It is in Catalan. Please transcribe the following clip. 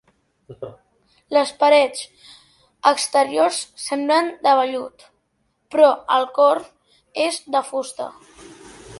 Les parets exteriors semblen de vellut, però el cor és de fusta.